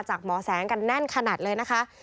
หมอแสงกันแน่นขนาดเลยนะคะ